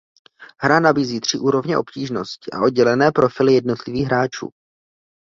Hra nabízí tři úrovně obtížnosti a oddělené profily jednotlivých hráčů.